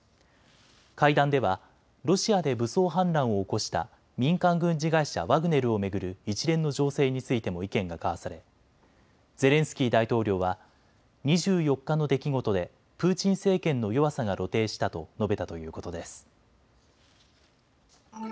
会談ではロシアで武装反乱を起こした民間軍事会社、ワグネルを巡る一連の情勢についても意見が交わされゼレンスキー大統領は２４日の出来事でプーチン政権の弱さが露呈したと述べたということです。